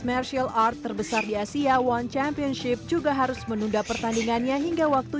martial art terbesar di asia one championship juga harus menunda pertandingannya hingga waktu